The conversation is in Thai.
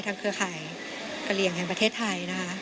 เครือข่ายกะเหลี่ยงแห่งประเทศไทยนะคะ